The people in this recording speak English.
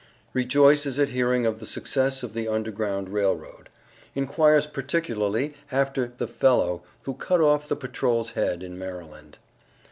] _Rejoices at hearing of the success of the Underground Rail Road Inquires particularly after the "fellow" who "cut off the Patrol's head in Maryland_."